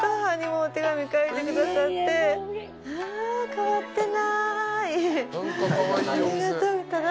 変わってない。